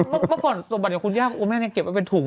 เมื่อก่อนสมบัติของคุณย่าคุณแม่เนี่ยเก็บไว้เป็นถุง